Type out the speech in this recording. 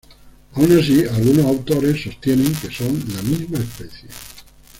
Aun así algunos autores sostienen que son la misma especie.